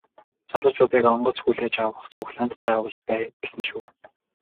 Залуучуудыг онгоц хүлээж авах цуглаанд заавал бай гэсэн шүү.